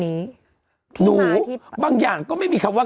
แต่อาจจะส่งมาแต่อาจจะส่งมา